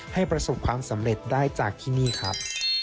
ให้ประสบความสำเร็จได้จากที่นี่ครับ